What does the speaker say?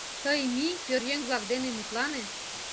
Тый мий, пӧръеҥ-влак дене мутлане!